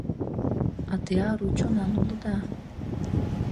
А те ару чонан улыда.